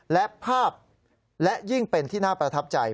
และภาพและยิ่งเป็นที่น่าประทับใจ